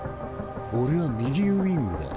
俺は右ウイングだ。